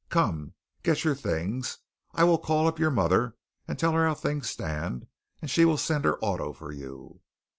Come, get your things. I will call up your mother and tell her how things stand, and she will send her auto for you."